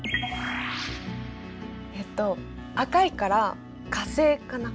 えっと赤いから火星かな？